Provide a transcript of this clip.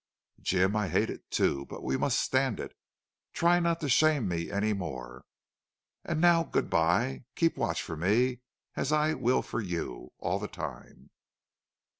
"Jim, I hate it, too. But we must stand it. Try not to shame me any more.... And now good by. Keep watch for me as I will for you all the time."